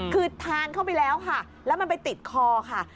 คือทานเข้าไปแล้วค่ะแล้วมันไปติดคอค่ะ